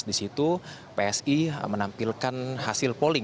di situ psi menampilkan hasil polling